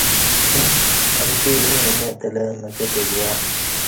امکی ییں انی اتلہ مکہ تے گوواہ